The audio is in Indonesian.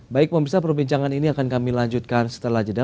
baik pemirsa perbincangan ini akan kami lanjutkan setelah jeda